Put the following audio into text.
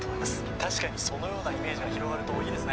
確かにそのようなイメージが広がるといいですね